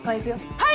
はい！